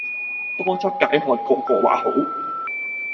多汁解渴個個話好